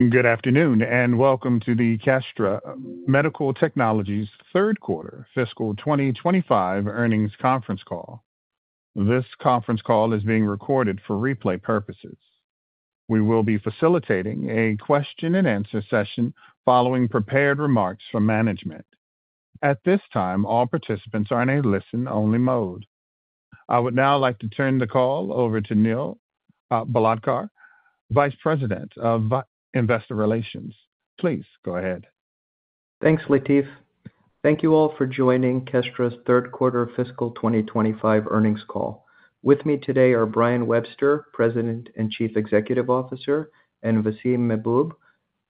Good afternoon and welcome to the Kestra Medical Technologies Third Quarter Fiscal 2025 earnings conference call. This conference call is being recorded for replay purposes. We will be facilitating a question-and-answer session following prepared remarks from management. At this time, all participants are in a listen-only mode. I would now like to turn the call over to Neil Bhalodkar, Vice President of Investor Relations. Please go ahead. Thanks, Latif. Thank you all for joining Kestra's Third Quarter Fiscal 2025 earnings call. With me today are Brian Webster, President and Chief Executive Officer, and Vaseem Mahboob,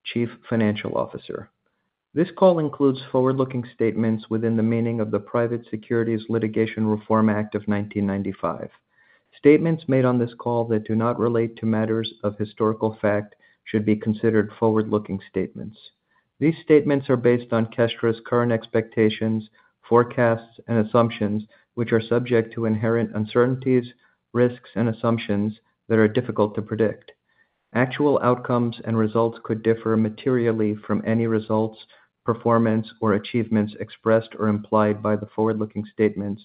Chief Financial Officer. This call includes forward-looking statements within the meaning of the Private Securities Litigation Reform Act of 1995. Statements made on this call that do not relate to matters of historical fact should be considered forward-looking statements. These statements are based on Kestra's current expectations, forecasts, and assumptions, which are subject to inherent uncertainties, risks, and assumptions that are difficult to predict. Actual outcomes and results could differ materially from any results, performance, or achievements expressed or implied by the forward-looking statements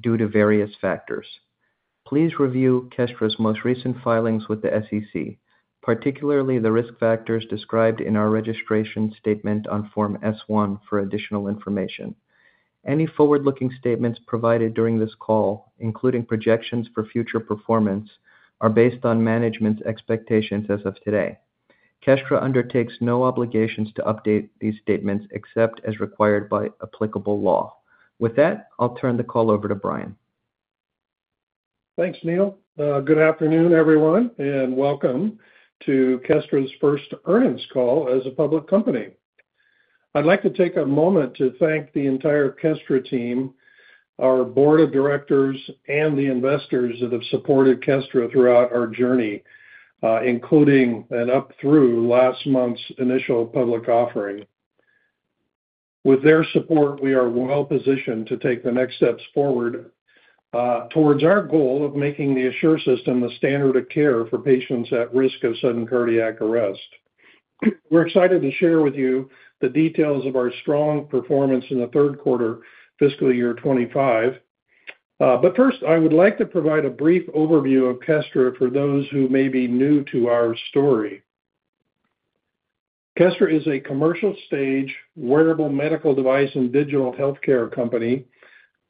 due to various factors. Please review Kestra's most recent filings with the SEC, particularly the risk factors described in our registration statement on Form S-1 for additional information. Any forward-looking statements provided during this call, including projections for future performance, are based on management's expectations as of today. Kestra undertakes no obligations to update these statements except as required by applicable law. With that, I'll turn the call over to Brian. Thanks, Neil. Good afternoon, everyone, and welcome to Kestra's first earnings call as a public company. I'd like to take a moment to thank the entire Kestra team, our Board of Directors, and the investors that have supported Kestra throughout our journey, including and up through last month's initial public offering. With their support, we are well positioned to take the next steps forward towards our goal of making the ASSURE System the standard of care for patients at risk of sudden cardiac arrest. We're excited to share with you the details of our strong performance in the third quarter fiscal year 2025. First, I would like to provide a brief overview of Kestra for those who may be new to our story. Kestra is a commercial stage wearable medical device and digital healthcare company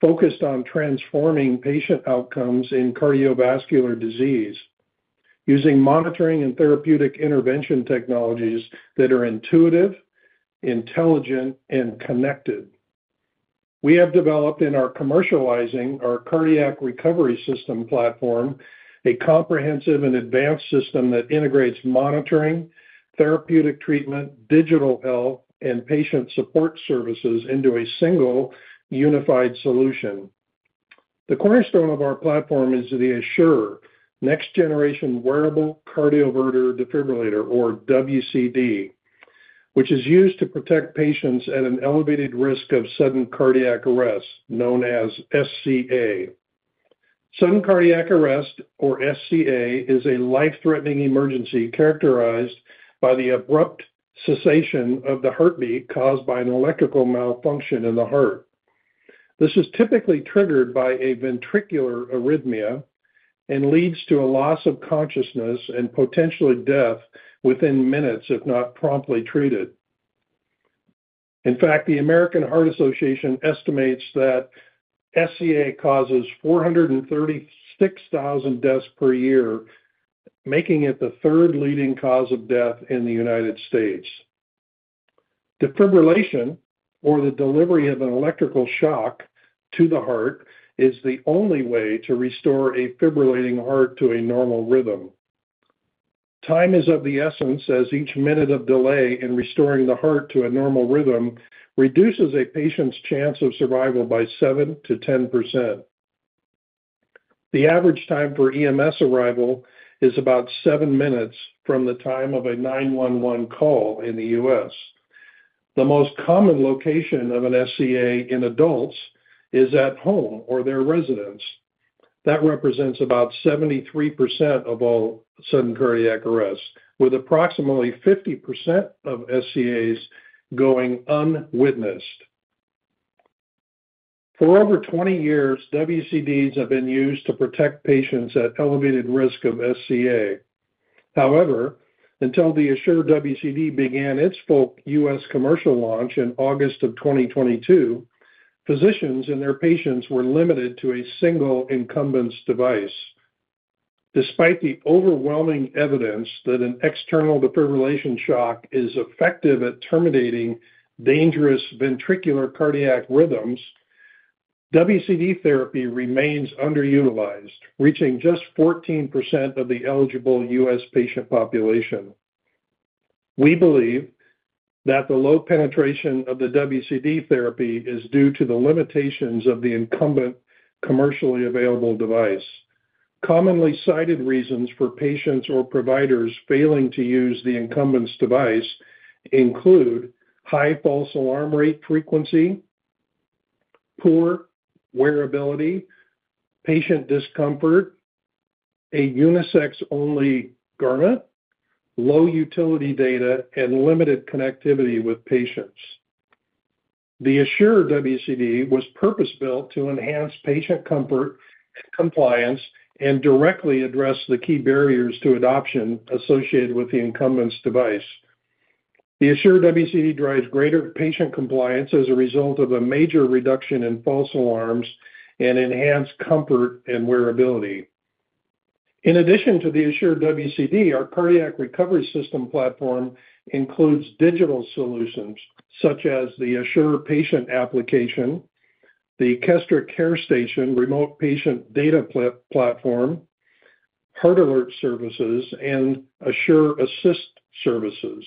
focused on transforming patient outcomes in cardiovascular disease using monitoring and therapeutic intervention technologies that are intuitive, intelligent, and connected. We have developed and are commercializing our cardiac recovery system platform, a comprehensive and advanced system that integrates monitoring, therapeutic treatment, digital health, and patient support services into a single unified solution. The cornerstone of our platform is the ASSURE Next Generation Wearable Cardioverter Defibrillator, or WCD, which is used to protect patients at an elevated risk of sudden cardiac arrest, known as SCA. Sudden cardiac arrest, or SCA, is a life-threatening emergency characterized by the abrupt cessation of the heartbeat caused by an electrical malfunction in the heart. This is typically triggered by a ventricular arrhythmia and leads to a loss of consciousness and potentially death within minutes, if not promptly treated. In fact, the American Heart Association estimates that SCA causes 436,000 deaths per year, making it the third leading cause of death in the United States. Defibrillation, or the delivery of an electrical shock to the heart, is the only way to restore a fibrillating heart to a normal rhythm. Time is of the essence, as each minute of delay in restoring the heart to a normal rhythm reduces a patient's chance of survival by 7%-10%. The average time for EMS arrival is about 7 min from the time of a 911 call in the U.S. The most common location of an SCA in adults is at home or their residence. That represents about 73% of all sudden cardiac arrests, with approximately 50% of SCAs going unwitnessed. For over 20 years, WCDs have been used to protect patients at elevated risk of SCA. However, until the ASSURE WCD began its full U.S. commercial launch in August of 2022, physicians and their patients were limited to a single incumbent device. Despite the overwhelming evidence that an external defibrillation shock is effective at terminating dangerous ventricular cardiac rhythms, WCD therapy remains underutilized, reaching just 14% of the eligible U.S. patient population. We believe that the low penetration of the WCD therapy is due to the limitations of the incumbent commercially available device. Commonly cited reasons for patients or providers failing to use the incumbent device include high false alarm rate frequency, poor wearability, patient discomfort, a unisex-only garment, low utility data, and limited connectivity with patients. The ASSURE WCD was purpose-built to enhance patient comfort and compliance and directly address the key barriers to adoption associated with the incumbent device. The ASSURE WCD drives greater patient compliance as a result of a major reduction in false alarms and enhanced comfort and wearability. In addition to the ASSURE WCD, our cardiac recovery system platform includes digital solutions such as the ASSURE Patient Application, the Kestra CareStation Remote Patient Data Platform, Heart Alert Services, and ASSURE Assist Services.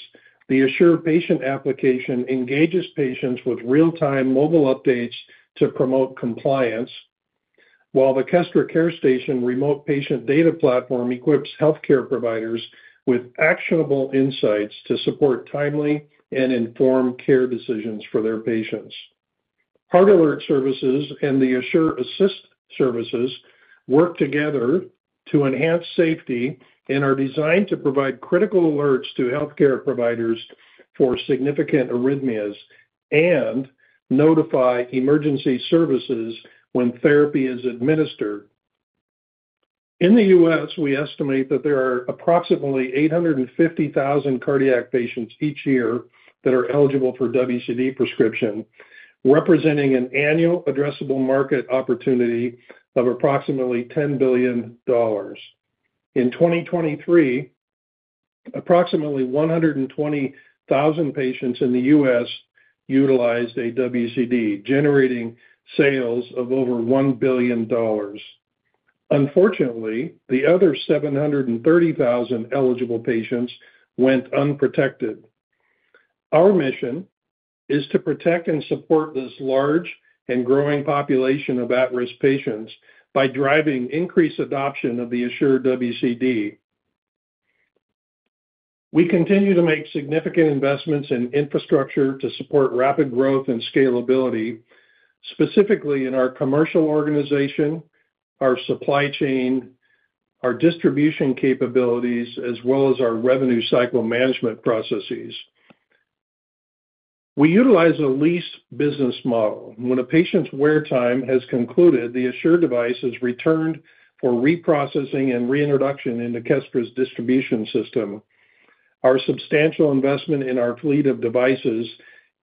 The ASSURE Patient Application engages patients with real-time mobile updates to promote compliance, while the Kestra CareStation Remote Patient Data Platform equips healthcare providers with actionable insights to support timely and informed care decisions for their patients. Heart Alert Services and the ASSURE Assist Services work together to enhance safety and are designed to provide critical alerts to healthcare providers for significant arrhythmias and notify emergency services when therapy is administered. In the U.S., we estimate that there are approximately 850,000 cardiac patients each year that are eligible for WCD prescription, representing an annual addressable market opportunity of approximately $10 billion. In 2023, approximately 120,000 patients in the U.S. utilized a WCD, generating sales of over $1 billion. Unfortunately, the other 730,000 eligible patients went unprotected. Our mission is to protect and support this large and growing population of at-risk patients by driving increased adoption of the ASSURE WCD. We continue to make significant investments in infrastructure to support rapid growth and scalability, specifically in our commercial organization, our supply chain, our distribution capabilities, as well as our revenue cycle management processes. We utilize a leased business model. When a patient's wear time has concluded, the ASSURE device is returned for reprocessing and reintroduction into Kestra's distribution system. Our substantial investment in our fleet of devices,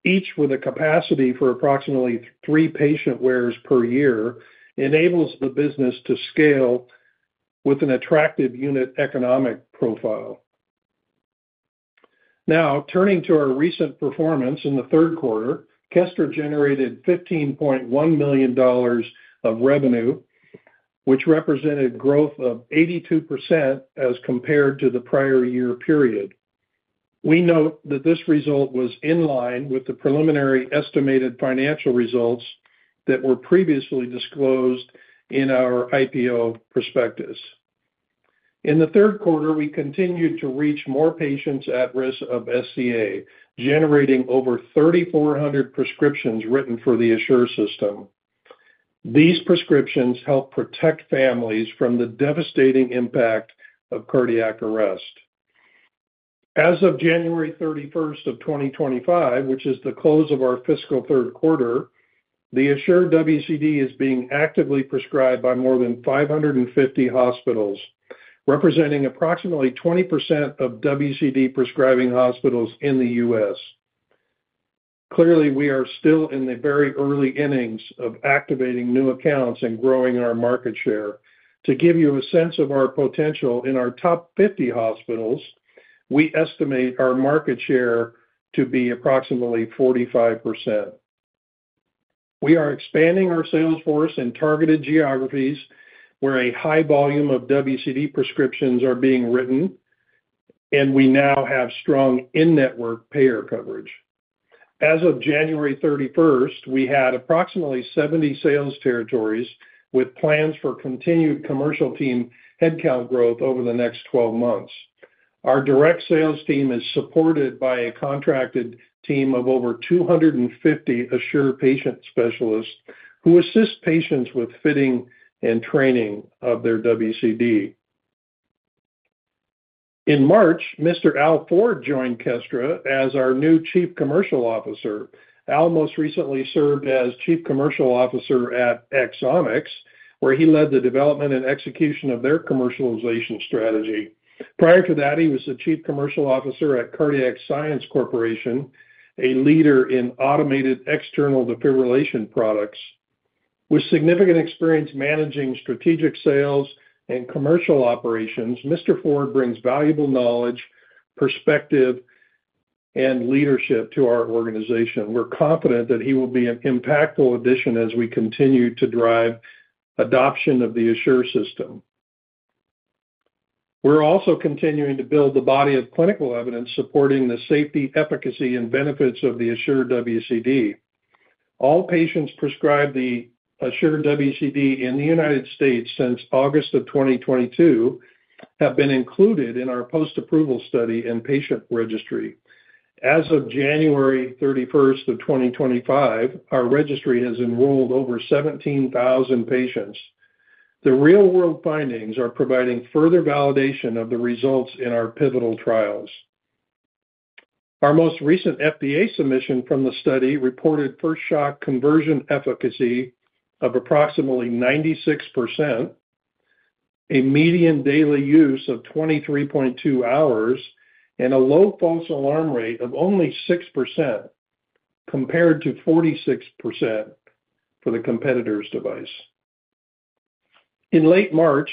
each with a capacity for approximately three patient wears per year, enables the business to scale with an attractive unit economic profile. Now, turning to our recent performance in the third quarter, Kestra generated $15.1 million of revenue, which represented growth of 82% as compared to the prior year period. We note that this result was in line with the preliminary estimated financial results that were previously disclosed in our IPO prospectus. In the third quarter, we continued to reach more patients at risk of SCA, generating over 3,400 prescriptions written for the ASSURE system. These prescriptions help protect families from the devastating impact of cardiac arrest. As of January 31st of 2025, which is the close of our fiscal third quarter, the ASSURE WCD is being actively prescribed by more than 550 hospitals, representing approximately 20% of WCD prescribing hospitals in the U.S. Clearly, we are still in the very early innings of activating new accounts and growing our market share. To give you a sense of our potential, in our top 50 hospitals, we estimate our market share to be approximately 45%. We are expanding our sales force in targeted geographies where a high volume of WCD prescriptions are being written, and we now have strong in-network payer coverage. As of January 31st, we had approximately 70 sales territories with plans for continued commercial team headcount growth over the next 12 months. Our direct sales team is supported by a contracted team of over 250 ASSURE patient specialists who assist patients with fitting and training of their WCD. In March, Mr. Al Ford joined Kestra as our new Chief Commercial Officer. Al most recently served as Chief Commercial Officer at Axonics, where he led the development and execution of their commercialization strategy. Prior to that, he was the Chief Commercial Officer at Cardiac Science Corporation, a leader in automated external defibrillation products. With significant experience managing strategic sales and commercial operations, Mr. Ford brings valuable knowledge, perspective, and leadership to our organization. We're confident that he will be an impactful addition as we continue to drive adoption of the ASSURE system. We're also continuing to build the body of clinical evidence supporting the safety, efficacy, and benefits of the ASSURE WCD. All patients prescribed the ASSURE WCD in the United States since August of 2022 have been included in our post-approval study and patient registry. As of January 31st of 2025, our registry has enrolled over 17,000 patients. The real-world findings are providing further validation of the results in our pivotal trials. Our most recent FDA submission from the study reported first shock conversion efficacy of approximately 96%, a median daily use of 23.2 hours, and a low false alarm rate of only 6% compared to 46% for the competitor's device. In late March,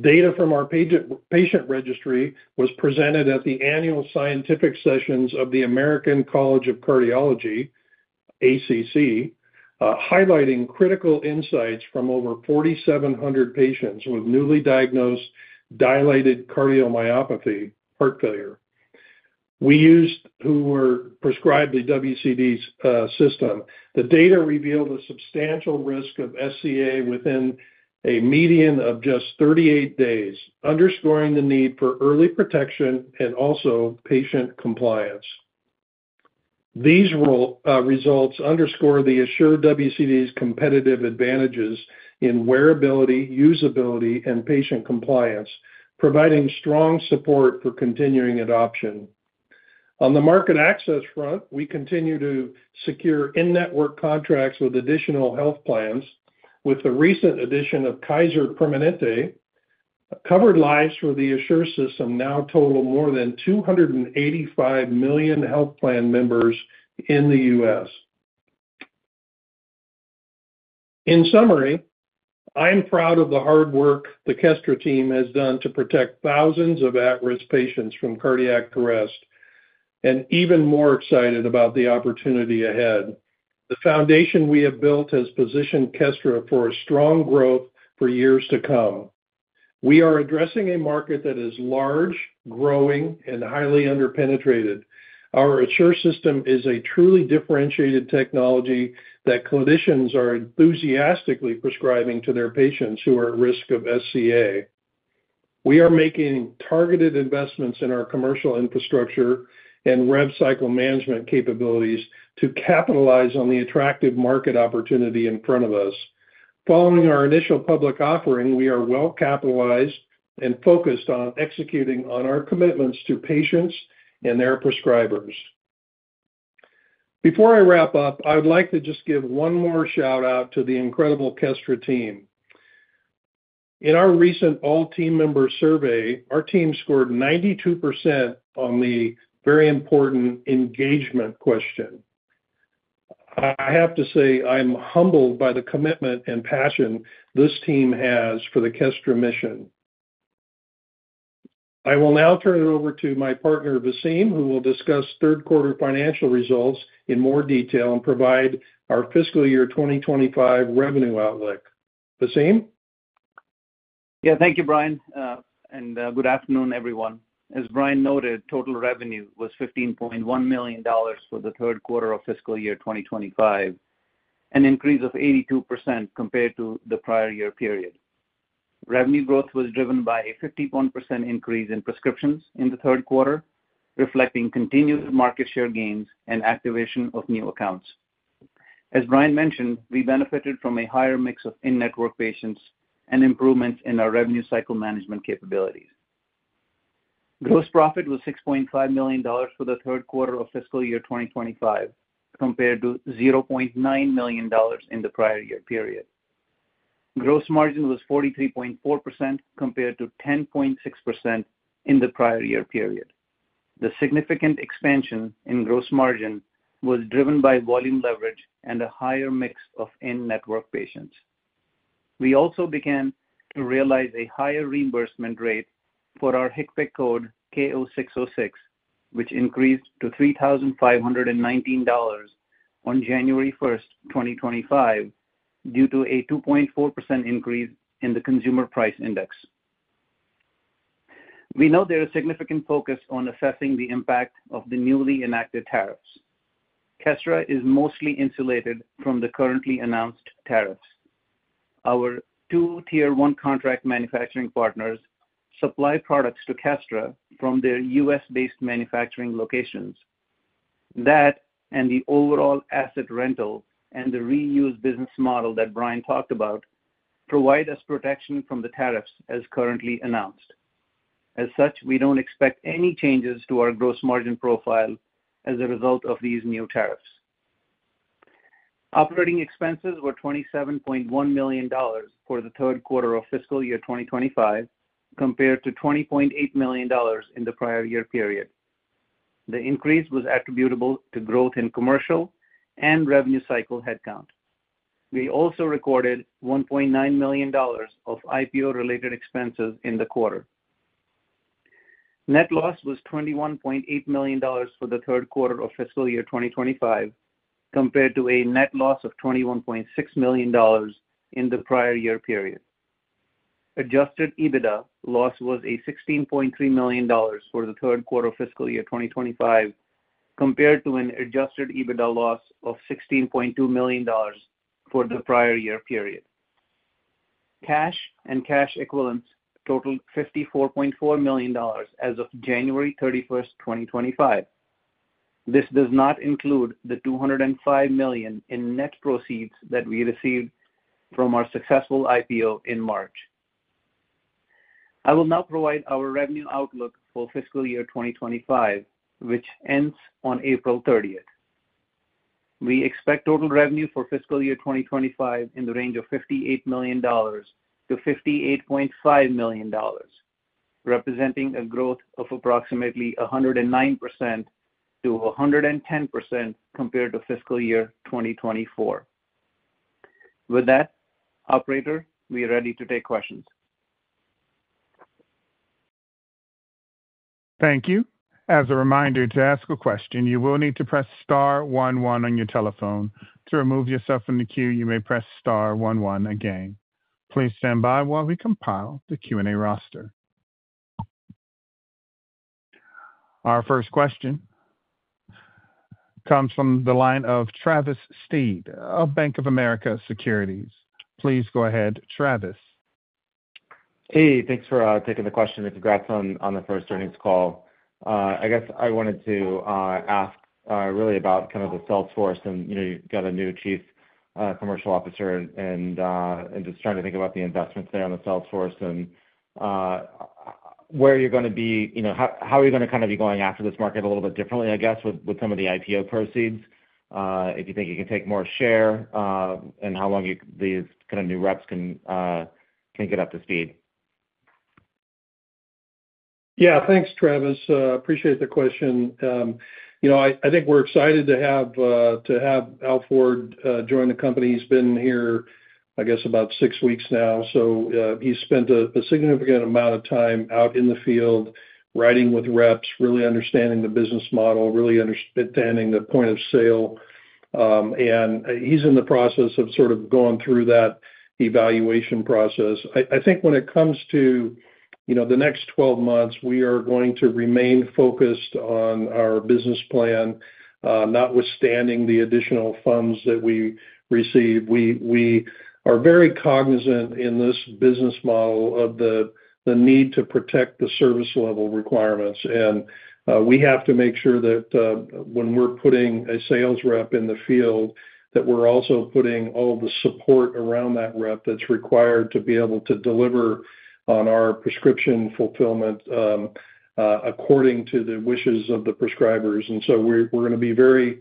data from our patient registry was presented at the annual scientific sessions of the American College of Cardiology (ACC), highlighting critical insights from over 4,700 patients with newly diagnosed dilated cardiomyopathy (heart failure) who were prescribed the WCD system. The data revealed a substantial risk of SCA within a median of just 38 days, underscoring the need for early protection and also patient compliance. These results underscore the ASSURE WCD's competitive advantages in wearability, usability, and patient compliance, providing strong support for continuing adoption. On the market access front, we continue to secure in-network contracts with additional health plans. With the recent addition of Kaiser Permanente, covered lives for the ASSURE system now total more than 285 million health plan members in the U.S. In summary, I'm proud of the hard work the Kestra team has done to protect thousands of at-risk patients from cardiac arrest and even more excited about the opportunity ahead. The foundation we have built has positioned Kestra for strong growth for years to come. We are addressing a market that is large, growing, and highly underpenetrated. Our ASSURE system is a truly differentiated technology that clinicians are enthusiastically prescribing to their patients who are at risk of SCA. We are making targeted investments in our commercial infrastructure and rev cycle management capabilities to capitalize on the attractive market opportunity in front of us. Following our initial public offering, we are well capitalized and focused on executing on our commitments to patients and their prescribers. Before I wrap up, I would like to just give one more shout-out to the incredible Kestra team. In our recent all-team member survey, our team scored 92% on the very important engagement question. I have to say I'm humbled by the commitment and passion this team has for the Kestra mission. I will now turn it over to my partner, Vaseem, who will discuss third-quarter financial results in more detail and provide our fiscal year 2025 revenue outlook. Vaseem? Yeah, thank you, Brian, and good afternoon, everyone. As Brian noted, total revenue was $15.1 million for the third quarter of fiscal year 2025, an increase of 82% compared to the prior year period. Revenue growth was driven by a 51% increase in prescriptions in the third quarter, reflecting continued market share gains and activation of new accounts. As Brian mentioned, we benefited from a higher mix of in-network patients and improvements in our revenue cycle management capabilities. Gross profit was $6.5 million for the third quarter of fiscal year 2025, compared to $0.9 million in the prior year period. Gross margin was 43.4% compared to 10.6% in the prior year period. The significant expansion in gross margin was driven by volume leverage and a higher mix of in-network patients. We also began to realize a higher reimbursement rate for our HCPCS code K0606, which increased to $3,519 on January 1, 2025, due to a 2.4% increase in the Consumer Price Index. We know there is significant focus on assessing the impact of the newly enacted tariffs. Kestra is mostly insulated from the currently announced tariffs. Our two Tier 1 contract manufacturing partners supply products to Kestra from their U.S.-based manufacturing locations. That and the overall asset rental and the reuse business model that Brian talked about provide us protection from the tariffs as currently announced. As such, we do not expect any changes to our gross margin profile as a result of these new tariffs. Operating expenses were $27.1 million for the third quarter of fiscal year 2025, compared to $20.8 million in the prior year period. The increase was attributable to growth in commercial and revenue cycle headcount. We also recorded $1.9 million of IPO-related expenses in the quarter. Net loss was $21.8 million for the third quarter of fiscal year 2025, compared to a net loss of $21.6 million in the prior year period. Adjusted EBITDA loss was $16.3 million for the third quarter of fiscal year 2025, compared to an Adjusted EBITDA loss of $16.2 million for the prior year period. Cash and cash equivalents totaled $54.4 million as of January 31st, 2025. This does not include the $205 million in net proceeds that we received from our successful IPO in March. I will now provide our revenue outlook for fiscal year 2025, which ends on April 30th. We expect total revenue for fiscal year 2025 in the range of $58 million-$58.5 million, representing a growth of approximately 109%-110% compared to fiscal year 2024. With that, Operator, we are ready to take questions. Thank you. As a reminder to ask a question, you will need to press star one one on your telephone. To remove yourself from the queue, you may press star one one again. Please stand by while we compile the Q&A roster. Our first question comes from the line of Travis Steed of Bank of America Securities. Please go ahead, Travis. Hey, thanks for taking the question and congrats on the first earnings call. I guess I wanted to ask really about kind of the sales force. You got a new Chief Commercial Officer and just trying to think about the investments there on the sales force and where you're going to be. How are you going to kind of be going after this market a little bit differently, I guess, with some of the IPO proceeds? If you think you can take more share and how long these kind of new reps can get up to speed. Yeah, thanks, Travis. Appreciate the question. I think we're excited to have Al Ford join the company. He's been here, I guess, about six weeks now. He's spent a significant amount of time out in the field riding with reps, really understanding the business model, really understanding the point of sale. He's in the process of sort of going through that evaluation process. I think when it comes to the next 12 months, we are going to remain focused on our business plan, notwithstanding the additional funds that we receive. We are very cognizant in this business model of the need to protect the service level requirements. We have to make sure that when we're putting a sales rep in the field, that we're also putting all the support around that rep that's required to be able to deliver on our prescription fulfillment according to the wishes of the prescribers. We are going to be very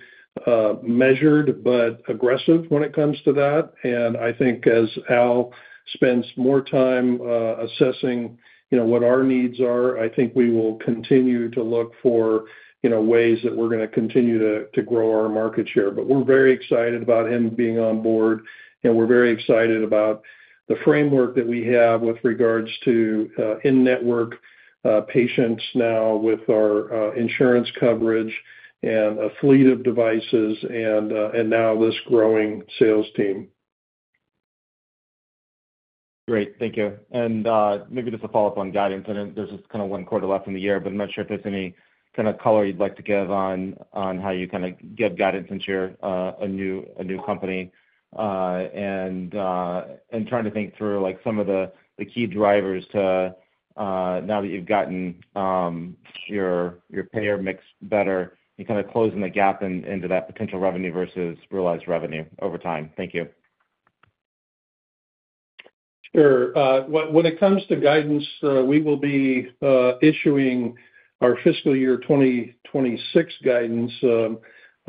measured but aggressive when it comes to that. I think as Al spends more time assessing what our needs are, I think we will continue to look for ways that we're going to continue to grow our market share. We are very excited about him being on board, and we are very excited about the framework that we have with regards to in-network patients now with our insurance coverage and a fleet of devices and now this growing sales team. Great. Thank you. Maybe just a follow-up on guidance. There's just kind of one quarter left in the year, but I'm not sure if there's any kind of color you'd like to give on how you kind of give guidance into a new company. Trying to think through some of the key drivers now that you've gotten your payer mix better, you're kind of closing the gap into that potential revenue versus realized revenue over time? Thank you. Sure. When it comes to guidance, we will be issuing our fiscal year 2026 guidance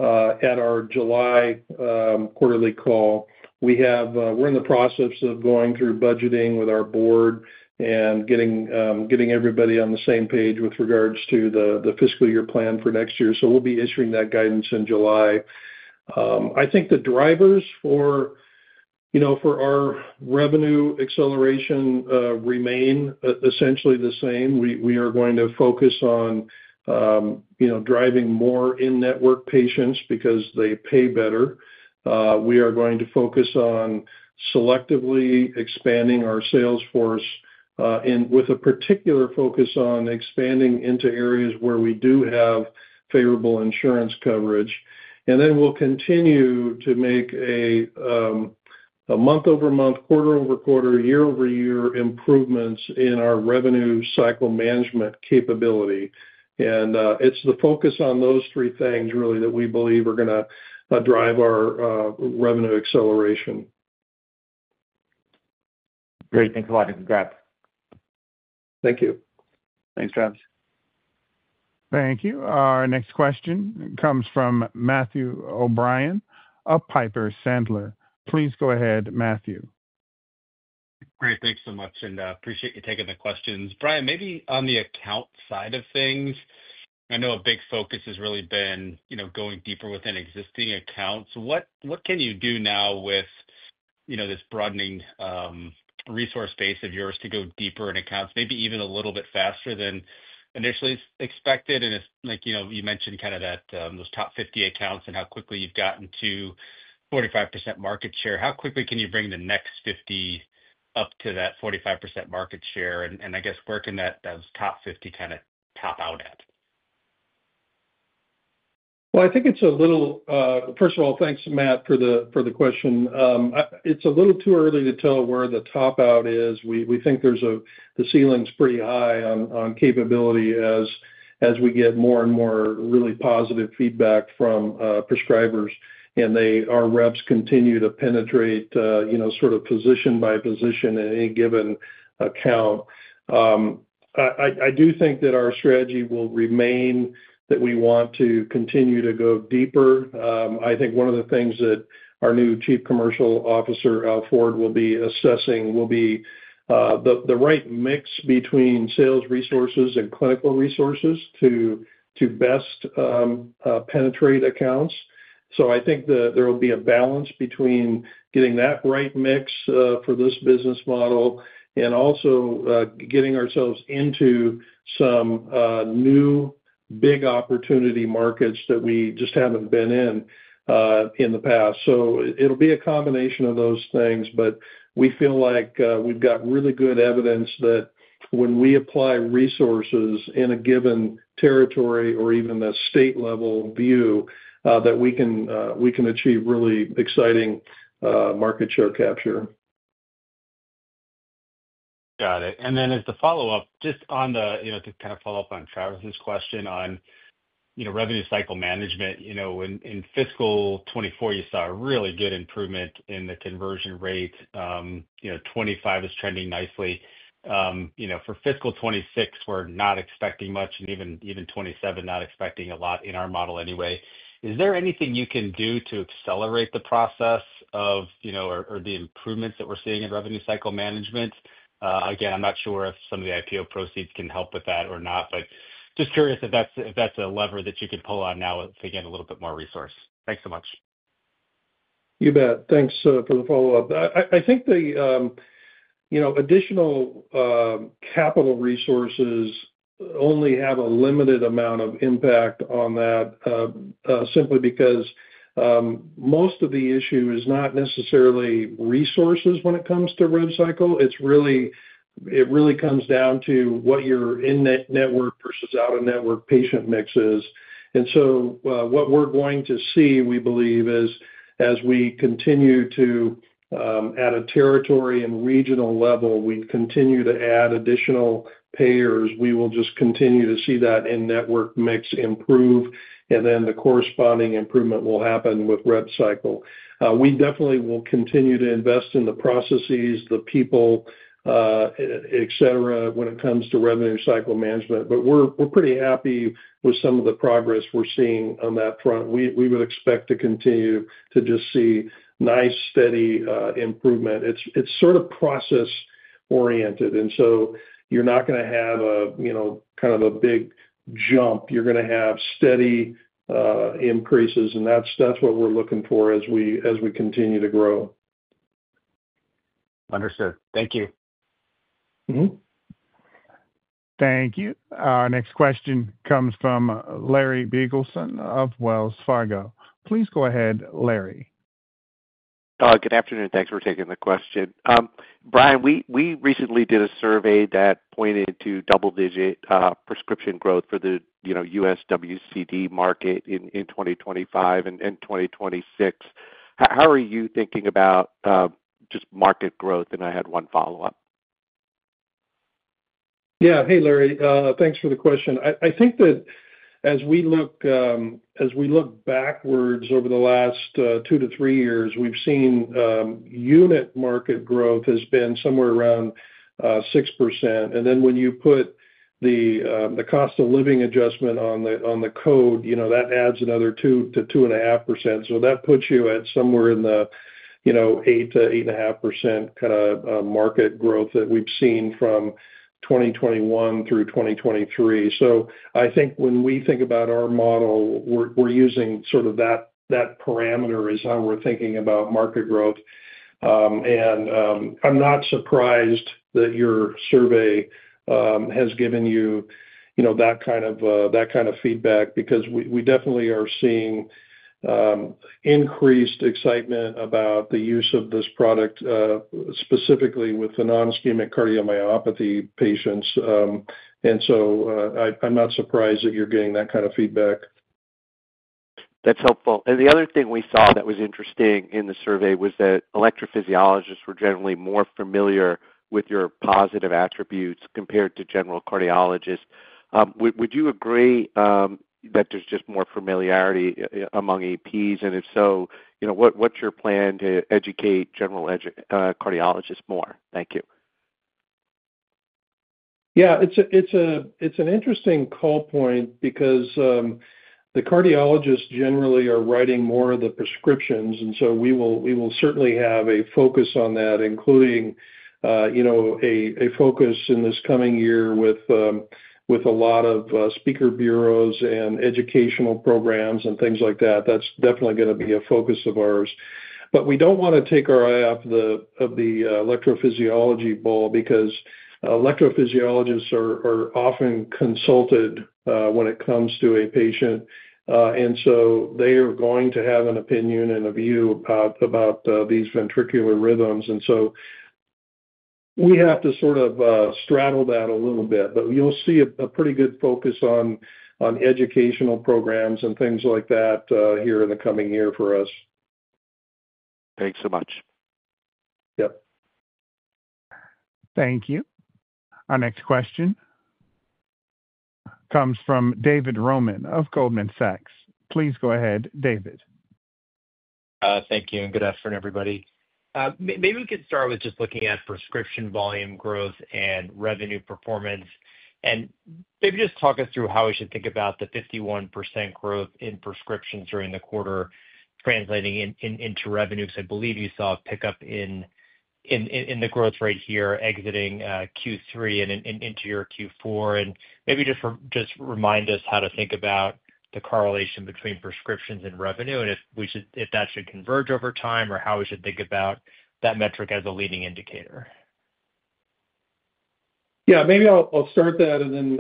at our July quarterly call. We're in the process of going through budgeting with our board and getting everybody on the same page with regards to the fiscal year plan for next year. We will be issuing that guidance in July. I think the drivers for our revenue acceleration remain essentially the same. We are going to focus on driving more in-network patients because they pay better. We are going to focus on selectively expanding our sales force with a particular focus on expanding into areas where we do have favorable insurance coverage. We will continue to make a month-over-month, quarter-over-quarter, year-over-year improvements in our revenue cycle management capability. It is the focus on those three things really that we believe are going to drive our revenue acceleration. Great. Thanks a lot and congrats. Thank you. Thanks, Travis. Thank you. Our next question comes from Matthew O'Brien of Piper Sandler. Please go ahead, Matthew. Great. Thanks so much. And appreciate you taking the questions. Brian, maybe on the account side of things, I know a big focus has really been going deeper within existing accounts. What can you do now with this broadening resource base of yours to go deeper in accounts, maybe even a little bit faster than initially expected? You mentioned kind of those top 50 accounts and how quickly you've gotten to 45% market share. How quickly can you bring the next 50 up to that 45% market share? I guess where can those top 50 kind of top out at? I think it's a little—first of all, thanks, Matt, for the question. It's a little too early to tell where the top out is. We think the ceiling's pretty high on capability as we get more and more really positive feedback from prescribers. Our reps continue to penetrate sort of position by position in any given account. I do think that our strategy will remain that we want to continue to go deeper. I think one of the things that our new Chief Commercial Officer, Al Ford, will be assessing will be the right mix between sales resources and clinical resources to best penetrate accounts. I think there will be a balance between getting that right mix for this business model and also getting ourselves into some new big opportunity markets that we just haven't been in in the past. It'll be a combination of those things. We feel like we've got really good evidence that when we apply resources in a given territory or even a state-level view, we can achieve really exciting market share capture. Got it. As the follow-up, just to kind of follow up on Travis's question on revenue cycle management, in fiscal 2024, you saw a really good improvement in the conversion rate. 2025 is trending nicely. For fiscal 2026, we're not expecting much, and even 2027, not expecting a lot in our model anyway. Is there anything you can do to accelerate the process or the improvements that we're seeing in revenue cycle management? Again, I'm not sure if some of the IPO proceeds can help with that or not, but just curious if that's a lever that you can pull on now if we get a little bit more resource. Thanks so much. You bet. Thanks for the follow-up. I think the additional capital resources only have a limited amount of impact on that simply because most of the issue is not necessarily resources when it comes to rev cycle. It really comes down to what your in-network versus out-of-network patient mix is. What we're going to see, we believe, is as we continue to, at a territory and regional level, we continue to add additional payers, we will just continue to see that in-network mix improve, and then the corresponding improvement will happen with rev cycle. We definitely will continue to invest in the processes, the people, etc., when it comes to revenue cycle management. We're pretty happy with some of the progress we're seeing on that front. We would expect to continue to just see nice, steady improvement. It's sort of process-oriented. You're not going to have kind of a big jump. You're going to have steady increases. That's what we're looking for as we continue to grow. Understood. Thank you. Thank you. Our next question comes from Larry Biegelsen of Wells Fargo. Please go ahead, Larry. Good afternoon. Thanks for taking the question. Brian, we recently did a survey that pointed to double-digit prescription growth for the U.S. WCD market in 2025 and 2026. How are you thinking about just market growth? I had one follow-up. Yeah. Hey, Larry. Thanks for the question. I think that as we look backwards over the last 2 years-3 years, we've seen unit market growth has been somewhere around 6%. When you put the cost of living adjustment on the code, that adds another 2%-2.5%. That puts you at somewhere in the 8%-8.5% kind of market growth that we've seen from 2021 through 2023. I think when we think about our model, we're using sort of that parameter as how we're thinking about market growth. I'm not surprised that your survey has given you that kind of feedback because we definitely are seeing increased excitement about the use of this product, specifically with the nonischemic cardiomyopathy patients. I'm not surprised that you're getting that kind of feedback. That's helpful. The other thing we saw that was interesting in the survey was that electrophysiologists were generally more familiar with your positive attributes compared to general cardiologists. Would you agree that there's just more familiarity among EPs? If so, what's your plan to educate general cardiologists more? Thank you. Yeah. It's an interesting call point because the cardiologists generally are writing more of the prescriptions. We will certainly have a focus on that, including a focus in this coming year with a lot of speaker bureaus and educational programs and things like that. That's definitely going to be a focus of ours. We do not want to take our eye off the electrophysiology ball because electrophysiologists are often consulted when it comes to a patient. They are going to have an opinion and a view about these ventricular rhythms. We have to sort of straddle that a little bit. You will see a pretty good focus on educational programs and things like that here in the coming year for us. Thanks so much. Yep. Thank you. Our next question comes from David Roman of Goldman Sachs. Please go ahead, David. Thank you. Good afternoon, everybody. Maybe we could start with just looking at prescription volume growth and revenue performance. Maybe just talk us through how we should think about the 51% growth in prescriptions during the quarter translating into revenue. Because I believe you saw a pickup in the growth rate here exiting Q3 and into your Q4. Maybe just remind us how to think about the correlation between prescriptions and revenue, and if that should converge over time, or how we should think about that metric as a leading indicator. Yeah. Maybe I'll start that then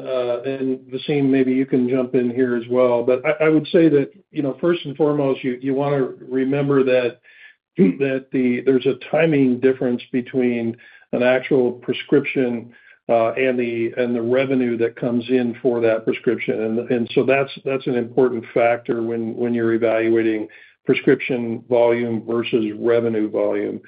Vaseem, maybe you can jump in here as well. I would say that first and foremost, you want to remember that there's a timing difference between an actual prescription and the revenue that comes in for that prescription. That's an important factor when you're evaluating prescription volume versus revenue volume.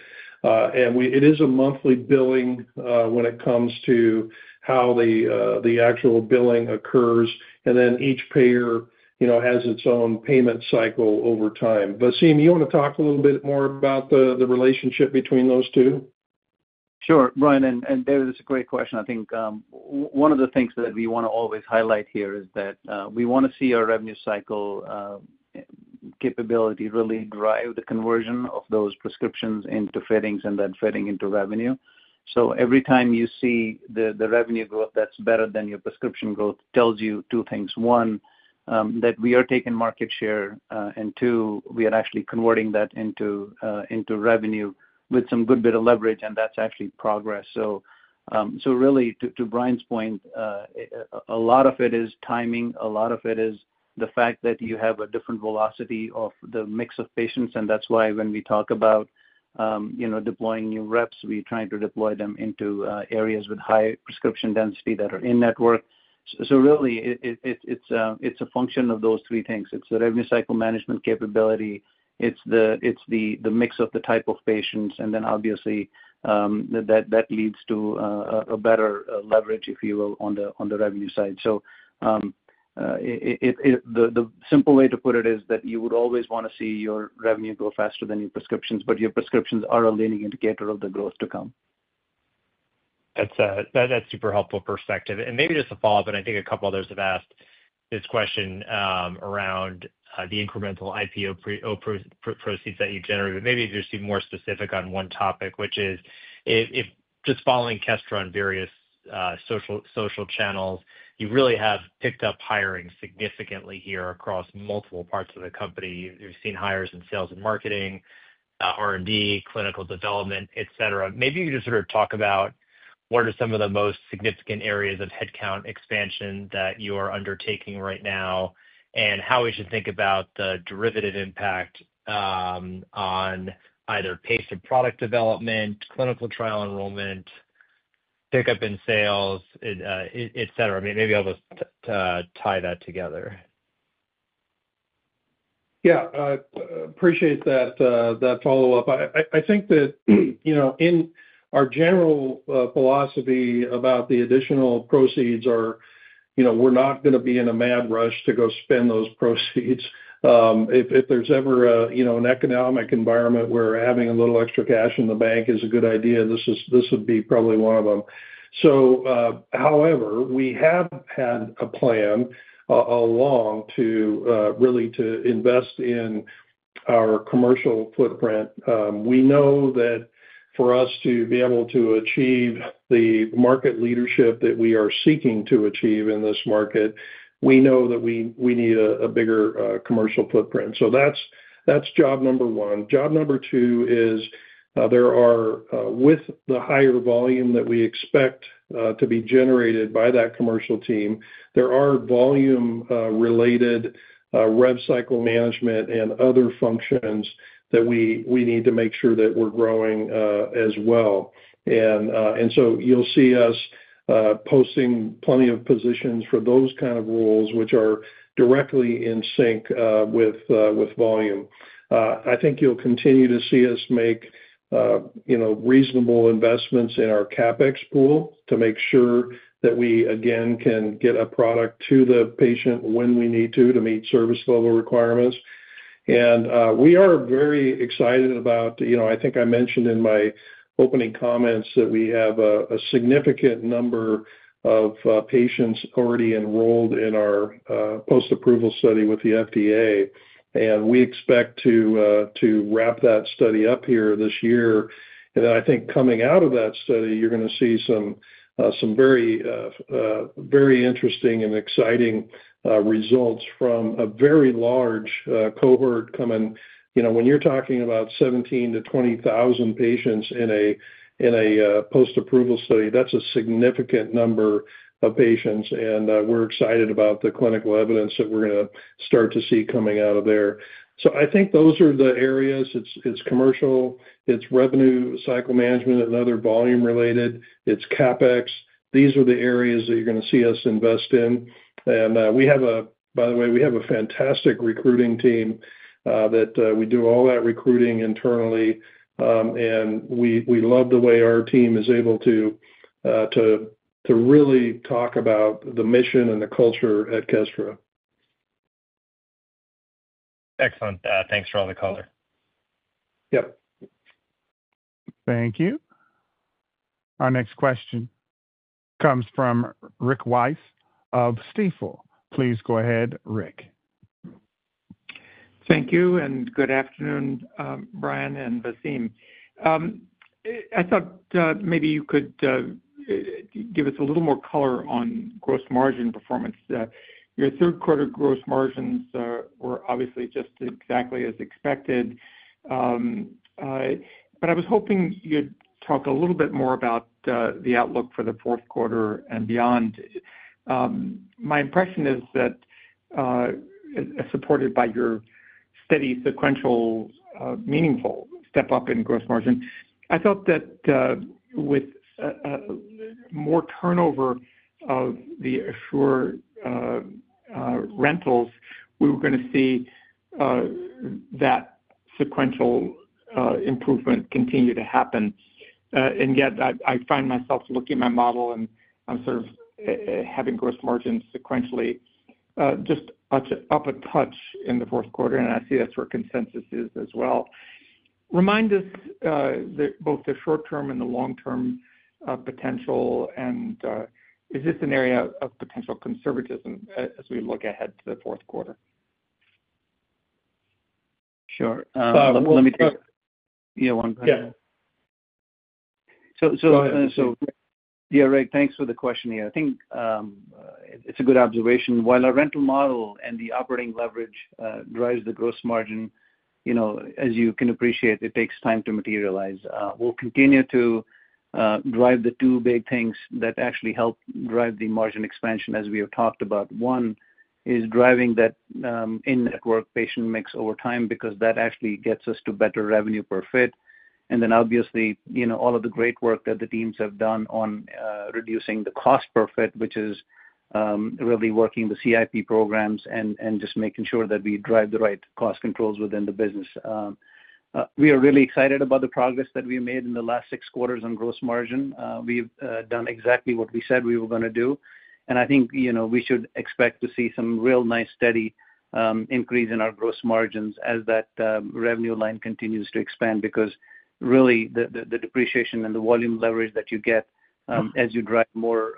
It is a monthly billing when it comes to how the actual billing occurs. Each payer has its own payment cycle over time. Vaseem, you want to talk a little bit more about the relationship between those two? Sure. Brian, and David, this is a great question. I think one of the things that we want to always highlight here is that we want to see our revenue cycle capability really drive the conversion of those prescriptions into fittings and then fitting into revenue. Every time you see the revenue growth that's better than your prescription growth tells you two things. One, that we are taking market share. Two, we are actually converting that into revenue with some good bit of leverage. That's actually progress. Really, to Brian's point, a lot of it is timing. A lot of it is the fact that you have a different velocity of the mix of patients. That is why when we talk about deploying new reps, we are trying to deploy them into areas with high prescription density that are in-network. Really, it is a function of those three things. It is the revenue cycle management capability. It is the mix of the type of patients. Obviously, that leads to a better leverage, if you will, on the revenue side. The simple way to put it is that you would always want to see your revenue grow faster than your prescriptions. Your prescriptions are a leading indicator of the growth to come. That is a super helpful perspective. Maybe just a follow-up. I think a couple others have asked this question around the incremental IPO proceeds that you generate. Maybe just be more specific on one topic, which is just following Kestra on various social channels, you really have picked up hiring significantly here across multiple parts of the company. You've seen hires in sales and marketing, R&D, clinical development, etc. Maybe you could just sort of talk about what are some of the most significant areas of headcount expansion that you are undertaking right now and how we should think about the derivative impact on either pace of product development, clinical trial enrollment, pickup in sales, etc. Maybe I'll just tie that together. Yeah. Appreciate that follow-up. I think that in our general philosophy about the additional proceeds, we're not going to be in a mad rush to go spend those proceeds. If there's ever an economic environment where having a little extra cash in the bank is a good idea, this would be probably one of them. However, we have had a plan along to really invest in our commercial footprint. We know that for us to be able to achieve the market leadership that we are seeking to achieve in this market, we know that we need a bigger commercial footprint. That's job number one. Job number two is there are, with the higher volume that we expect to be generated by that commercial team, there are volume-related rev cycle management and other functions that we need to make sure that we're growing as well. You'll see us posting plenty of positions for those kind of roles, which are directly in sync with volume. I think you'll continue to see us make reasonable investments in our CapEx pool to make sure that we, again, can get a product to the patient when we need to to meet service-level requirements. We are very excited about I think I mentioned in my opening comments that we have a significant number of patients already enrolled in our post-approval study with the FDA. We expect to wrap that study up here this year. I think coming out of that study, you're going to see some very interesting and exciting results from a very large cohort coming. When you're talking about 17,000-20,000 patients in a post-approval study, that's a significant number of patients. We're excited about the clinical evidence that we're going to start to see coming out of there. I think those are the areas. It's commercial. It's revenue cycle management and other volume-related. It's CapEx. These are the areas that you're going to see us invest in. By the way, we have a fantastic recruiting team that we do all that recruiting internally. We love the way our team is able to really talk about the mission and the culture at Kestra. Excellent. Thanks for all the color. Yep. Thank you. Our next question comes from Rick Wise of Stifel. Please go ahead, Rick. Thank you. Good afternoon, Brian and Vaseem. I thought maybe you could give us a little more color on gross margin performance. Your third quarter gross margins were obviously just exactly as expected. I was hoping you'd talk a little bit more about the outlook for the fourth quarter and beyond. My impression is that supported by your steady, sequential, meaningful step-up in gross margin, I thought that with more turnover of the ASSURE rentals, we were going to see that sequential improvement continue to happen. I find myself looking at my model and sort of having gross margins sequentially just up a touch in the fourth quarter. I see that's where consensus is as well. Remind us both the short-term and the long-term potential. Is this an area of potential conservatism as we look ahead to the fourth quarter? Sure. Let me take one question. Yeah. Rick, thanks for the question here. I think it's a good observation. While our rental model and the operating leverage drives the gross margin, as you can appreciate, it takes time to materialize. We'll continue to drive the two big things that actually help drive the margin expansion, as we have talked about. One is driving that in-network patient mix over time because that actually gets us to better revenue per fit. Obviously, all of the great work that the teams have done on reducing the cost per fit, which is really working the CIP programs and just making sure that we drive the right cost controls within the business. We are really excited about the progress that we made in the last six quarters on gross margin. We've done exactly what we said we were going to do. I think we should expect to see some real nice steady increase in our gross margins as that revenue line continues to expand because really, the depreciation and the volume leverage that you get as you drive more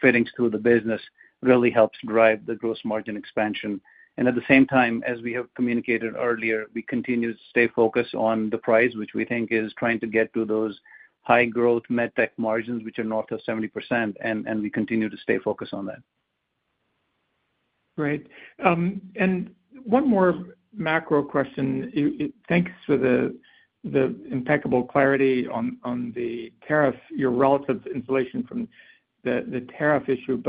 fittings through the business really helps drive the gross margin expansion. At the same time, as we have communicated earlier, we continue to stay focused on the price, which we think is trying to get to those high-growth MedTech margins, which are north of 70%. We continue to stay focused on that. Great. One more macro question. Thanks for the impeccable clarity on the tariff, your relative insulation from the tariff issue.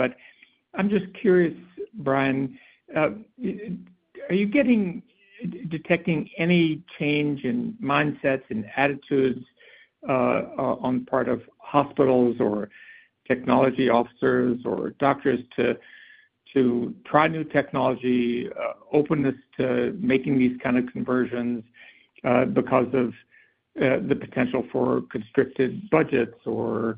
I'm just curious, Brian, are you detecting any change in mindsets and attitudes on the part of hospitals or technology officers or doctors to try new technology, openness to making these kinds of conversions because of the potential for constricted budgets or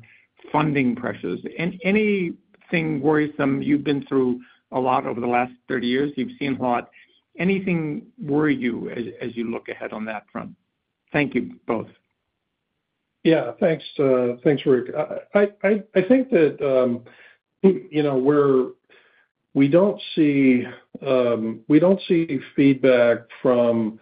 funding pressures? Anything worrisome? You've been through a lot over the last 30 years. You've seen a lot. Anything worry you as you look ahead on that front? Thank you both. Yeah. Thanks, Rick. I think that we don't see feedback from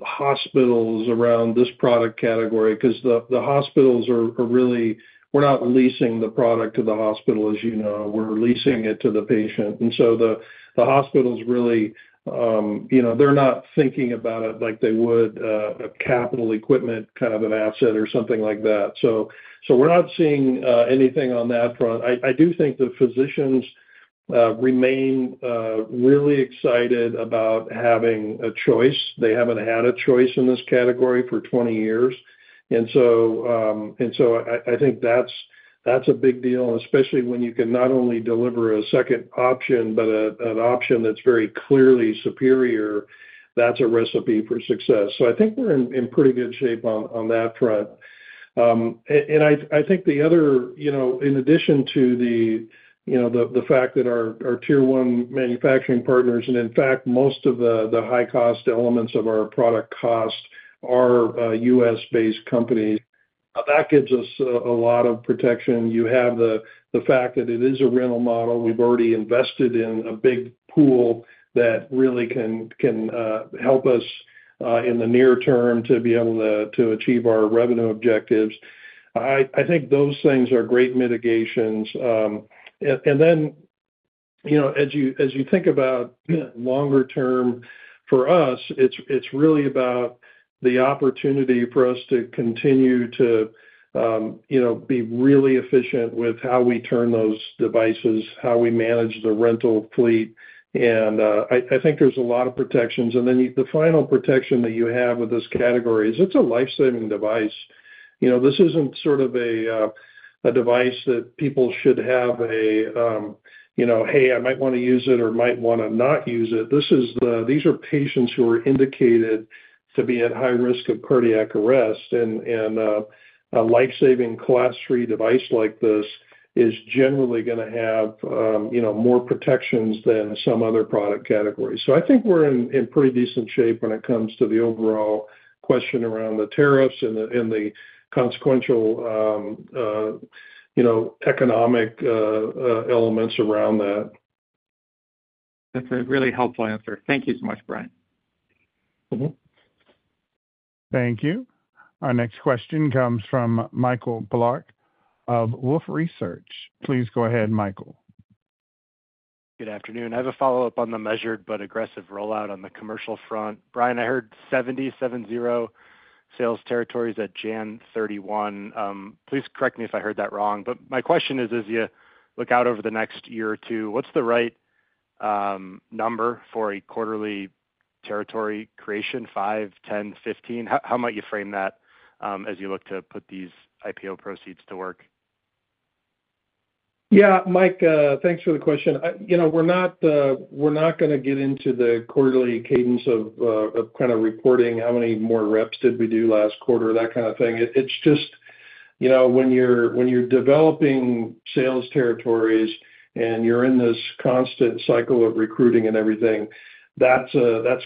hospitals around this product category because the hospitals are really—we're not leasing the product to the hospital, as you know. We're leasing it to the patient. And so the hospitals really—they're not thinking about it like they would a capital equipment kind of an asset or something like that. We're not seeing anything on that front. I do think the physicians remain really excited about having a choice. They haven't had a choice in this category for 20 years. I think that's a big deal. Especially when you can not only deliver a second option, but an option that's very clearly superior, that's a recipe for success. I think we're in pretty good shape on that front. I think the other—in addition to the fact that our tier-one manufacturing partners, and in fact, most of the high-cost elements of our product cost are U.S.-based companies, that gives us a lot of protection. You have the fact that it is a rental model. We've already invested in a big pool that really can help us in the near term to be able to achieve our revenue objectives. I think those things are great mitigations. As you think about longer term, for us, it's really about the opportunity for us to continue to be really efficient with how we turn those devices, how we manage the rental fleet. I think there's a lot of protections. The final protection that you have with this category is it's a lifesaving device. This isn't sort of a device that people should have a, "Hey, I might want to use it or might want to not use it."These are patients who are indicated to be at high risk of cardiac arrest. A lifesaving Class III device like this is generally going to have more protections than some other product categories. I think we're in pretty decent shape when it comes to the overall question around the tariffs and the consequential economic elements around that. That's a really helpful answer. Thank you so much, Brian. Thank you. Our next question comes from Michael Polark of Wolfe Research. Please go ahead, Michael. Good afternoon. I have a follow-up on the measured but aggressive rollout on the commercial front. Brian, I heard 70, 7-0 sales territories at January 31. Please correct me if I heard that wrong. My question is, as you look out over the next year or two, what is the right number for a quarterly territory creation, 5, 10, 15? How might you frame that as you look to put these IPO proceeds to work? Yeah. Mike, thanks for the question. We are not going to get into the quarterly cadence of kind of reporting how many more reps did we do last quarter, that kind of thing. It's just when you're developing sales territories and you're in this constant cycle of recruiting and everything, that's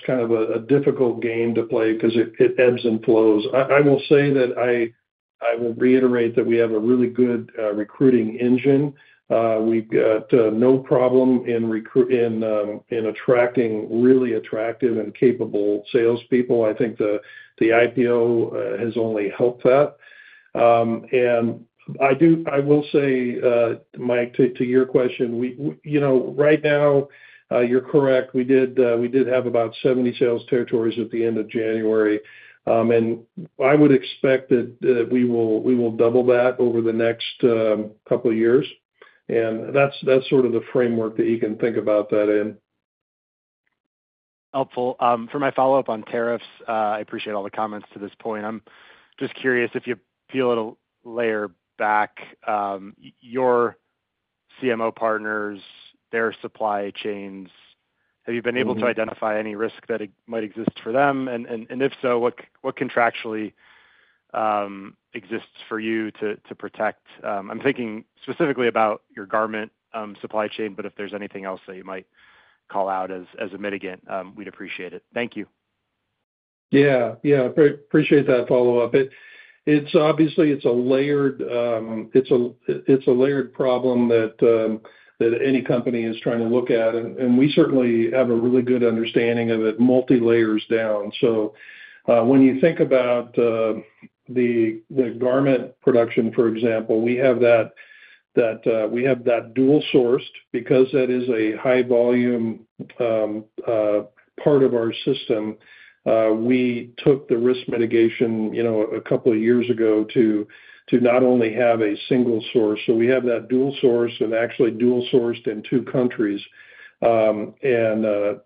kind of a difficult game to play because it ebbs and flows. I will say that I will reiterate that we have a really good recruiting engine. We've got no problem in attracting really attractive and capable salespeople. I think the IPO has only helped that. I will say, Mike, to your question, right now, you're correct. We did have about 70 sales territories at the end of January. I would expect that we will double that over the next couple of years. That's sort of the framework that you can think about that in. Helpful. For my follow-up on tariffs, I appreciate all the comments to this point. I'm just curious if you peel it a layer back, your CMO partners, their supply chains, have you been able to identify any risk that might exist for them? And if so, what contractually exists for you to protect? I'm thinking specifically about your garment supply chain, but if there's anything else that you might call out as a mitigant, we'd appreciate it. Thank you. Yeah. I appreciate that follow-up. Obviously, it's a layered problem that any company is trying to look at. We certainly have a really good understanding of it multi-layers down. When you think about the garment production, for example, we have that dual-sourced because that is a high-volume part of our system. We took the risk mitigation a couple of years ago to not only have a single source. We have that dual-sourced and actually dual-sourced in two countries and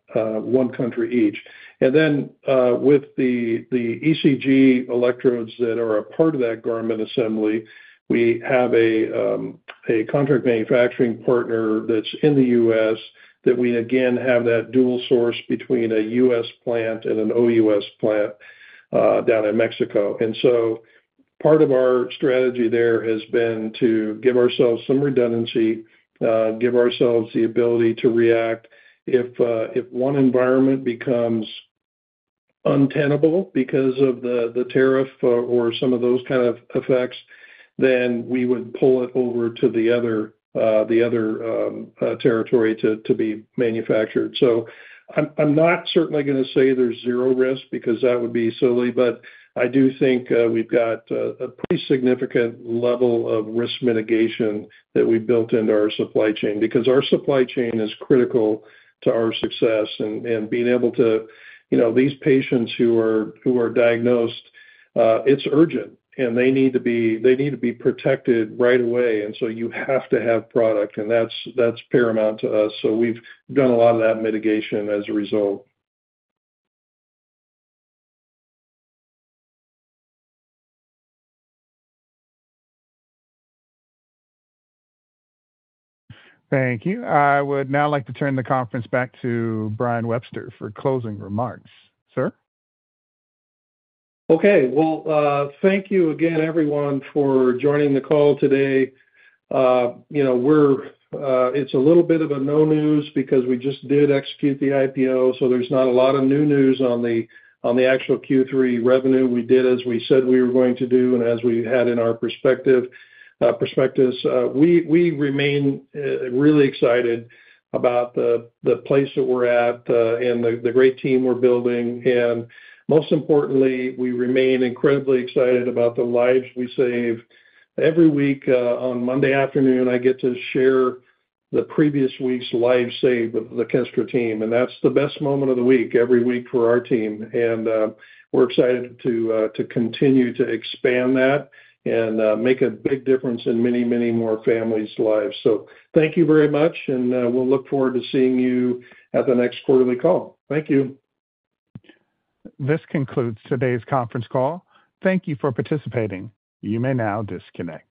one country each. With the ECG electrodes that are a part of that garment assembly, we have a contract manufacturing partner that's in the U.S. that we, again, have that dual-source between a U.S. plant and an OUS plant down in Mexico. Part of our strategy there has been to give ourselves some redundancy, give ourselves the ability to react. If one environment becomes untenable because of the tariff or some of those kinds of effects, we would pull it over to the other territory to be manufactured. I'm not certainly going to say there's zero risk because that would be silly. I do think we've got a pretty significant level of risk mitigation that we've built into our supply chain because our supply chain is critical to our success. Being able to these patients who are diagnosed, it's urgent. They need to be protected right away. You have to have product. That's paramount to us. We've done a lot of that mitigation as a result. Thank you. I would now like to turn the conference back to Brian Webster for closing remarks. Sir? Thank you again, everyone, for joining the call today. It's a little bit of a no news because we just did execute the IPO. There's not a lot of new news on the actual Q3 revenue. We did, as we said we were going to do, and as we had in our perspectives. We remain really excited about the place that we're at and the great team we're building. Most importantly, we remain incredibly excited about the lives we save. Every week on Monday afternoon, I get to share the previous week's lives saved with the Kestra team. That is the best moment of the week every week for our team. We are excited to continue to expand that and make a big difference in many, many more families' lives. Thank you very much. We look forward to seeing you at the next quarterly call. Thank you. This concludes today's conference call. Thank you for participating. You may now disconnect.